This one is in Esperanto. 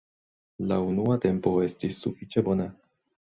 La unua tempo estis sufiĉe bona.